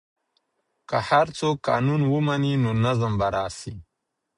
که هر څوک قانون ومني نو نظم به راسي.